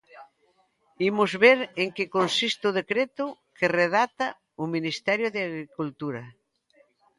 Imos ver en que consiste o decreto que redacta o Ministerio de Agricultura.